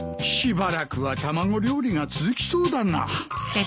しばらくは卵料理が続きそうだな。